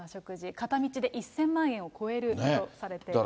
片道で１０００万円を超えるとされています。